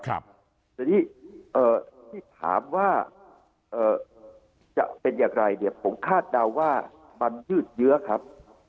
แถมไม่แมนที่ถามว่าผมคาดเดาว่ามันยืดเยอะครับ